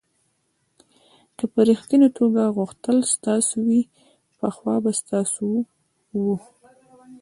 که په ریښتني توګه غوښتل ستاسو وي پخوا به ستاسو و.